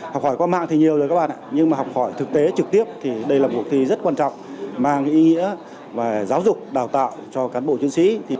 học hỏi qua mạng thì nhiều rồi các bạn nhưng mà học hỏi thực tế trực tiếp thì đây là cuộc thi rất quan trọng mang ý nghĩa về giáo dục đào tạo cho cán bộ chiến sĩ